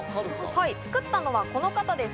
作ったのはこの方です。